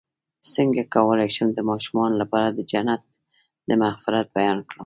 څنګه کولی شم د ماشومانو لپاره د جنت د مغفرت بیان کړم